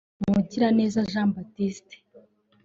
Mugireneza Jean Baptiste